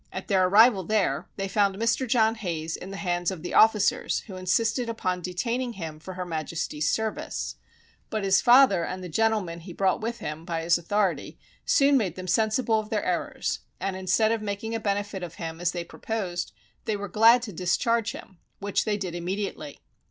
At their arrival there, they found Mr. John Hayes in the hands of the officers, who insisted upon detaining him for her Majesty's service; but his father and the gentleman he brought with him by his authority, soon made them sensible of their errors, and instead of making a benefit of him, as they proposed, they were glad to discharge him, which they did immediately.